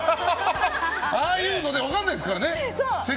ああいうので分からないですからね。